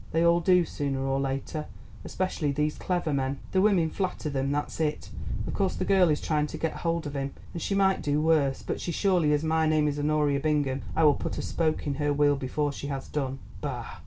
They all do sooner or later, especially these clever men. The women flatter them, that's it. Of course the girl is trying to get hold of him, and she might do worse, but so surely as my name is Honoria Bingham I will put a spoke in her wheel before she has done. Bah!